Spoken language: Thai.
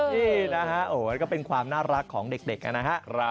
นี่นะฮะโอ้ยก็เป็นความน่ารักของเด็กนะฮะ